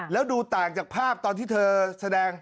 แล้วดูต่างจากภาพตอนที่เธอแสดง